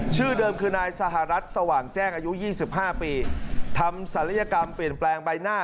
ชื่อเดิมคือนายสหรัฐสว่างแจ้งอายุ๒๕ปีทำศัลยกรรมเปลี่ยนแปลงใบหน้า